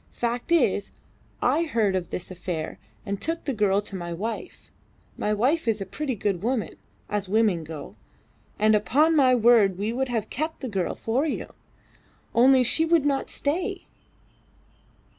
Fact is, I heard of this affair and took the girl to my wife. My wife is a pretty good woman as women go and upon my word we would have kept the girl for you, only she would not stay.